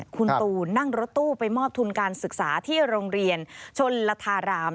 คุณตูนนั่งรถตู้ไปมอบทุนการศึกษาที่โรงเรียนชนลทาราม